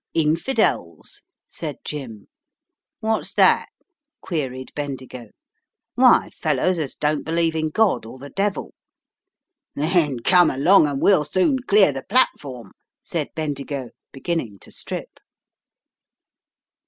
"Infidels," said Jim. "What's that?" queried Bendigo. "Why, fellows as don't believe in God or the devil." "Then come along, and we'll soon clear the platform," said Bendigo, beginning to strip.